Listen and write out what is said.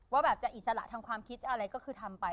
ว่าแบบจะอิสระทางความคิดอะไรก็คือทำไป